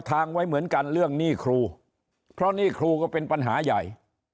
ทางไว้เหมือนกันเรื่องหนี้ครูเพราะหนี้ครูก็เป็นปัญหาใหญ่